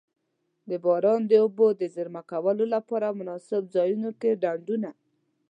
د باران د اوبو د زیرمه کولو دپاره مناسب ځایونو کی ډنډونه.